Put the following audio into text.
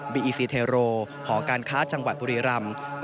ีอีซีเทโรหอการค้าจังหวัดบุรีรำ